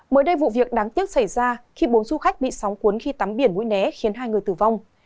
mới đây vụ việc đáng tiếc xảy ra khi bốn du khách bị sóng cuốn khi tắm biển mũi né khiến hai người tử vong